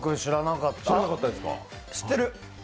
あ、知ってる！